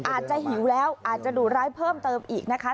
หิวแล้วอาจจะดุร้ายเพิ่มเติมอีกนะคะ